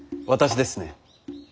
私ですね。